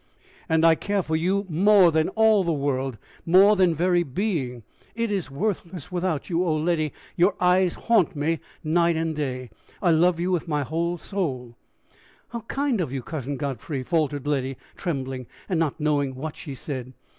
"And I care for you more than all the world! more than very being it is worthless without you. O Letty! your eyes haunt me night and day! I love you with my whole soul." "How kind of you, Cousin Godfrey!" faltered Letty, trembling, and not knowing what she said.